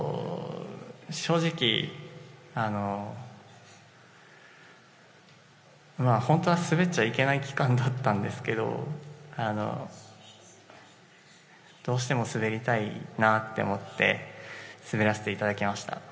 正直、本当は滑っちゃいけない期間だったんですけどどうしても滑りたいなって思って滑らせていただきました。